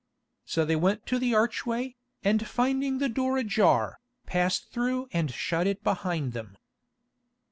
So they went to the archway, and finding the door ajar, passed through and shut it behind them.